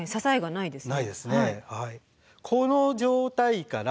ないですね。